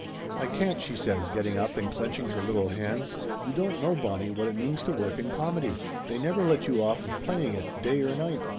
"I can't !" she says, getting up and clenching her little hands. "You don't know, Bonnie, what it means to work in comedy ! They never let you off of playing it, day or night.